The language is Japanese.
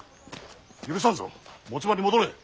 許さんぞ持ち場に戻れ。